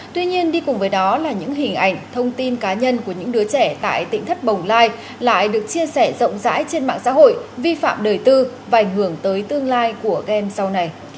tuy nhiên đi cùng với đó là những hình ảnh thông tin cá nhân của những đứa trẻ tại tỉnh thất bồng lai lại được chia sẻ rộng rãi trên mạng xã hội vi phạm đời tư và ảnh hưởng tới tương lai của các em sau này